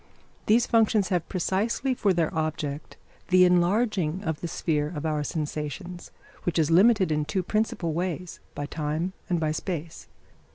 These functions have precisely for their object the enlarging of the sphere of our sensations, which is limited in two principal ways, by time and by space.